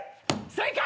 ・正解！